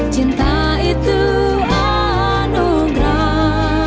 cinta itu anugerah